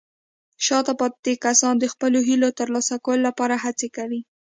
شاته پاتې کسان د خپلو هیلو ترلاسه کولو لپاره هڅې کوي.